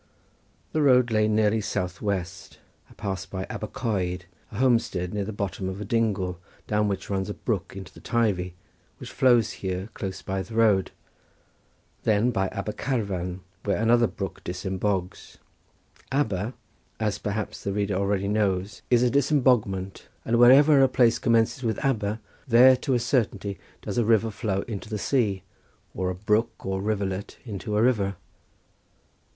The road lay nearly south west. I passed by Aber Coed, a homestead near the bottom of a dingle down which runs a brook into the Teivi, which flows here close by the road; then by Aber Carvan, where another brook disembogues. Aber, as perhaps the reader already knows, is a disemboguement, and wherever a place commences with Aber there to a certainty does a river flow into the sea or a brook or rivulet into a river.